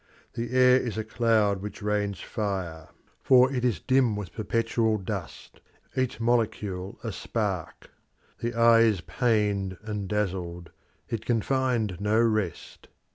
The air is a cloud which rains fire, for it is dim with perpetual dust each molecule a spark. The eye is pained and dazzled; it can find no rest.